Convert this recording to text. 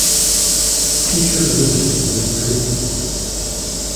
Peter Lilley withdrew.